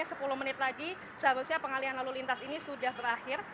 seharusnya pengalian lalu lintas ini sudah berakhir